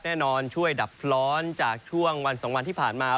แน่นอนช่วยดับร้อนจากช่วงวันสองวันที่ผ่านมา